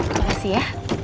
terima kasih ya